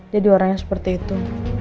jadi orang yang seperti itu